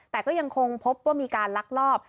แต่ก็ยังคงพบว่ามีการลักลอบ